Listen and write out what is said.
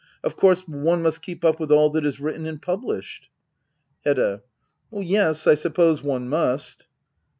Of course one must keep up with all that is written and published. Hedda. Yes, I suppose one must.